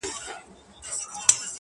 په هفتو کي یې آرام نه وو لیدلی -